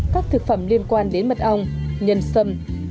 các thực phẩm liên quan đến mật ong nhân sâm